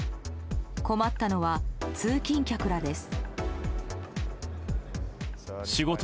困ったのは通勤客らです。